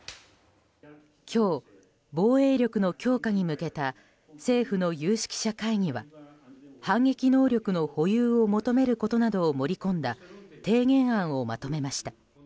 今日、防衛力の強化に向けた政府の有識者会議は反撃能力の保有を求めることなどを盛り込んだ提言案をまとめました。